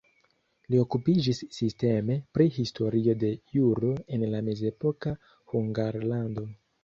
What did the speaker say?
Li okupiĝis sisteme pri historio de juro en la mezepoka Hungarlando.